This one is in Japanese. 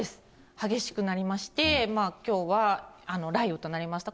激しくなりまして、きょうは雷雨となりました。